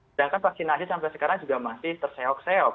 sedangkan vaksinasi sampai sekarang juga masih terseok seok